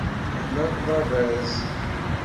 Tuklaleḍ arraz.